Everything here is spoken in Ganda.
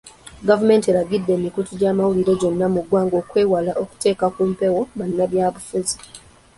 Gavumenti eragidde emikutu gy'amawulire gyonna mu ggwanga okwewala okuteeka ku mpewo bannabyabufuzi.